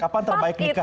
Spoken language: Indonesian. kapan terbaik nikah